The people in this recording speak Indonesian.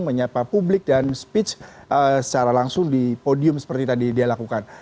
menyapa publik dan speech secara langsung di podium seperti tadi dia lakukan